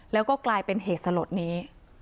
แล้วก็กลายเป็นเหตุสลดนี้